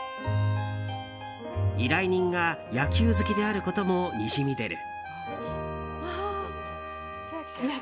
依頼人が野球好きであることもにじみ出る。